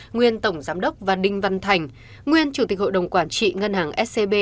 nguyên tổng giám đốc và đinh văn thành nguyên chủ tịch hội đồng quản trị ngân hàng scb